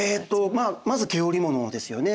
まあまず毛織物ですよね。